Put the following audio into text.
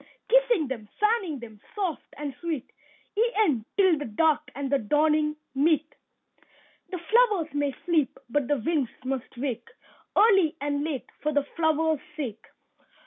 Kissing them, fanning them, soft and sweet, E'en till the dark and the dawning meet. The flowers may sleep, but the winds must wake Early and late, for the flowers' sake.